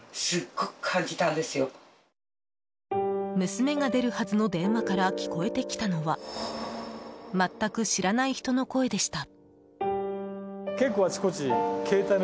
娘が出るはずの電話から聞こえてきたのは全く知らない人の声でした。